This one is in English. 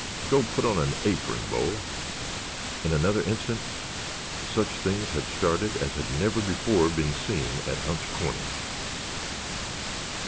Go put on an apron, Bo!" In another instant such things had started as had never before been seen at Hunt's Corners.